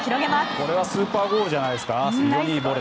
これはスーパーゴールじゃないですか。